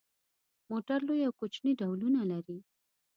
موټر لوی او کوچني ډولونه لري.